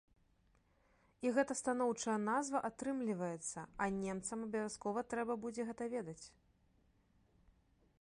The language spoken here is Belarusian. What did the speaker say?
І гэта станоўчая назва атрымліваецца, а немцам абавязкова трэба будзе гэта ведаць.